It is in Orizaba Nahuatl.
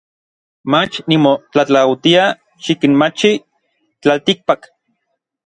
Mach nimotlatlautia xikinmachij n tlaltikpak.